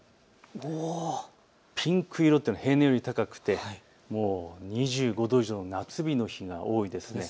ピンク色は平年より高くて２５度以上、夏日の日が多いです。